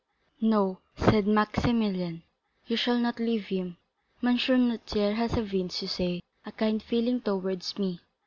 "No," said Maximilian, "you shall not leave him. M. Noirtier has evinced, you say, a kind feeling towards me.